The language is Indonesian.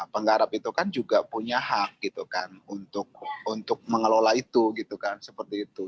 penggarap itu kan juga punya hak untuk mengelola itu